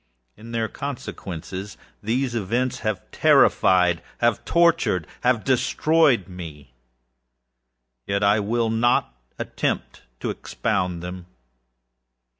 In their consequences, these events have terrifiedâhave torturedâhave destroyed me. Yet I will not attempt to expound them.